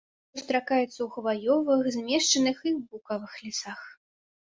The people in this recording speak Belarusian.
Сустракаецца ў хваёвых, змешаных і букавых лясах.